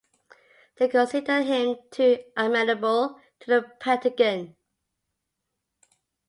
They considered him too amenable to the Pentagon.